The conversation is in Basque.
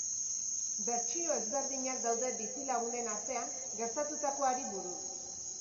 Bertsio ezberdinak daude bizilagunen artean gertatutakoari buruz.